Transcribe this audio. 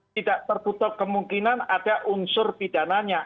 tidak tertutup kemungkinan ada unsur pidananya